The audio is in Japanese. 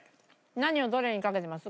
何をどれにかけてます？